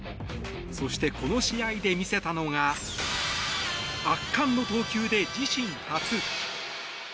そして、この試合で見せたのが圧巻の投球で自身初。